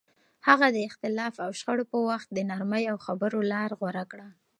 هغه د اختلاف او شخړو په وخت د نرمۍ او خبرو لار غوره کړه.